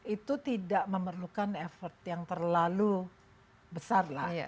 itu tidak memerlukan effort yang terlalu besar lah